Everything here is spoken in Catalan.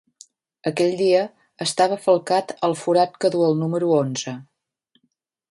Aquell dia estava falcat al forat que du el número onze.